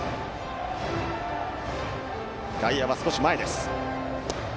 外野は少し前です。